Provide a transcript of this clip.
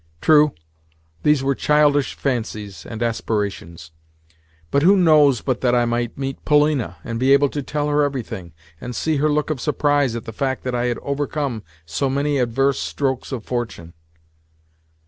True, these were childish fancies and aspirations, but who knows but that I might meet Polina, and be able to tell her everything, and see her look of surprise at the fact that I had overcome so many adverse strokes of fortune.